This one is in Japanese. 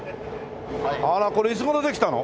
あらこれいつ頃できたの？